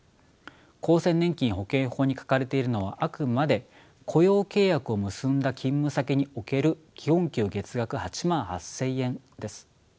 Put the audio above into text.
厚生年金保険法に書かれているのはあくまで雇用契約を結んだ勤務先における基本給月額８万８，０００円です。